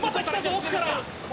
奥から！」